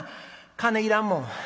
金いらんもん」。